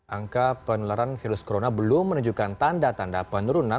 angka penularan virus corona belum menunjukkan tanda tanda penurunan